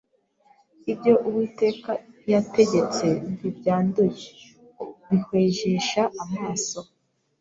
ibyo Uwiteka yategetse ntibyanduye bihwejesha amaso.